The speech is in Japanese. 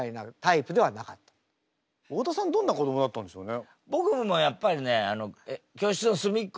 どんな子どもだったんでしょうね？